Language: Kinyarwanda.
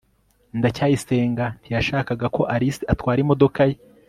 ndacyayisenga ntiyashakaga ko alice atwara imodoka ye